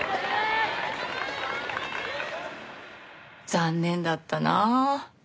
残念だったなあ。